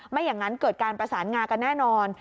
ไม่อย่างนั้นเกิดการประสานงากันแน่นอน